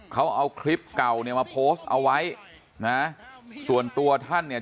เขาเอาคลิปเก่าเนี่ยมาโพสต์เอาไว้นะส่วนตัวท่านเนี่ย